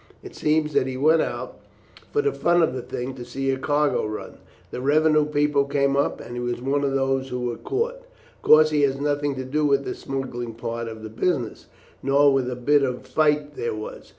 It seems that he went out, for the fun of the thing, to see a cargo run. The revenue people came up, and he was one of those who were caught. Of course he had nothing to do with the smuggling part of the business, nor with a bit of a fight there was.